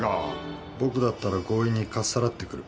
僕だったら強引にかっさらってくる。